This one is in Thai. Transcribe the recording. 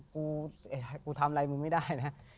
กูกูทำอะไรมึงไม่ได้นะ